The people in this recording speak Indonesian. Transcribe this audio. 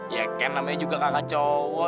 ya ken namanya juga kakak cowo